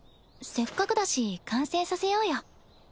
せっかくだし完成させようよ。